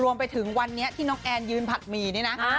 รวมไปถึงวันนี้ที่น้องแอนยืนผัดหมี่นี่นะ